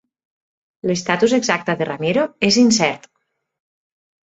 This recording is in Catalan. L'estatus exacte de Ramiro és incert.